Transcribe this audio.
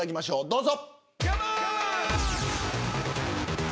どうぞ。